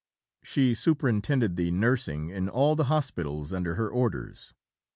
She superintended the nursing in all the hospitals under her orders.